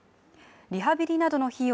リハビリなどの費用